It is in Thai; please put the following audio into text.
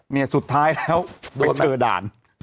เนี่ยสุดท้ายแล้วไปเจอด่าน